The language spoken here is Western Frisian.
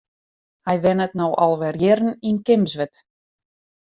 Hy wennet no al wer jierren yn Kimswert.